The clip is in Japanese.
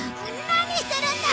何してるんだ！